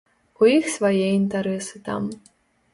У іх свае інтарэсы там.